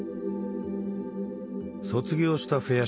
卒業したフェア